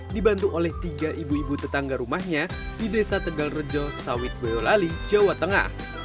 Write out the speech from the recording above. dibantu oleh tiga ibu ibu tetangga rumahnya di desa tegal rejo sawit boyolali jawa tengah